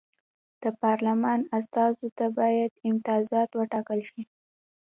د پارلمان استازو ته باید امتیازات وټاکل شي.